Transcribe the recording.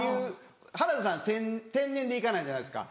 原田さんは天然で行かないじゃないですか。